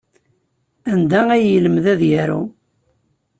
Anda ay yelmed ad yaru?